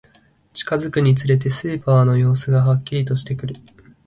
近づくにつれて、スーパーの様子がはっきりとしてくる